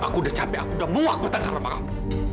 aku udah capek aku udah muak bertengkar sama kamu